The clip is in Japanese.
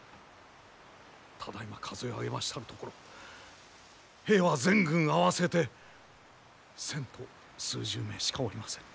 ただいま数え上げましたるところ兵は全軍合わせて１，０００と数十名しかおりませぬ。